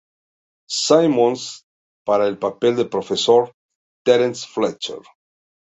Simmons para el papel del profesor, Terence Fletcher.